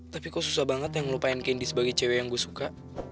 tapi kok susah banget yang melupain kendi sebagai cewek yang gue suka